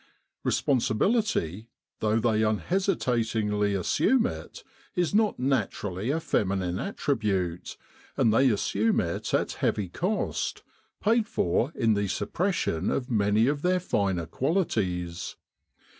Responsibility, though they unhesitatingly assume it, is not naturally a feminine attribute, and they assume it at heavy cost, paid for in the suppression of many of their finer qualities.